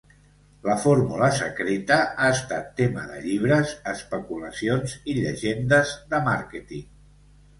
La fórmula secreta ha estat tema de llibres, especulacions i llegendes de màrqueting.